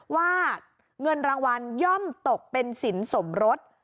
ว่าเงินรางวัลย่อมตกเป็นสินสมรส